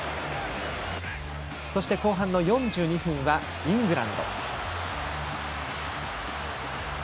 そして後半４２分、イングランド。